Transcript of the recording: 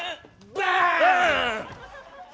バーン！